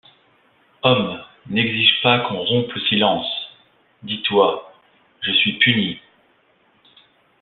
Homme, n’exige pas qu’on rompe le silence ; Dis-toi : Je suis puni.